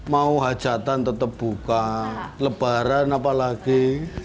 mau hajatan tetap buka lebaran apalagi